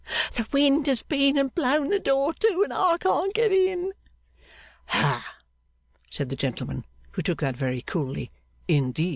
The wind has been and blown the door to, and I can't get in.' 'Hah!' said the gentleman, who took that very coolly. 'Indeed!